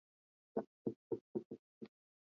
Dereva wa ali ni mkarimu sana.